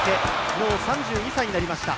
もう３２歳になりました。